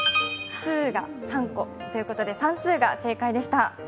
スーが３個ということで算数が正解でした。